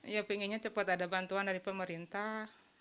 ya pengennya cepat ada bantuan dari pemerintah